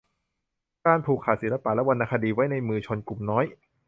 การผูกขาดศิลปะและวรรณคดีไว้ในมือชนกลุ่มน้อย